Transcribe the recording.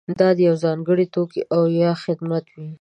دا د یوه ځانګړي توکي او یا خدمت وي.